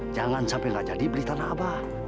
jangan sampai gak jadi beli tanah abang